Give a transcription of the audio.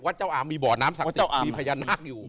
เจ้าอามมีบ่อน้ำศักดิ์สิทธิ์มีพญานาคอยู่